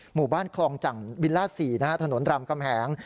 หมู่บ้านคลองจันทร์วิลล่า๔ถนนรามกำแหง